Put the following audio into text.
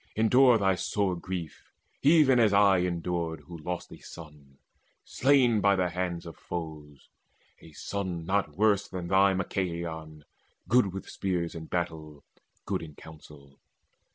Endure thy sore grief, even as I endured, Who lost a son, slain by the hands of foes, A son not worse than thy Machaon, good With spears in battle, good in counsel.